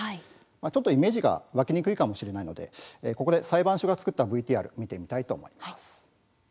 イメージが湧かないかもしれないのでここで裁判所が作ったＶＴＲを見てみたいと思います。